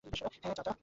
হ্যাঁ, চাচা।